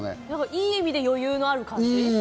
いい意味で余裕がある感じ。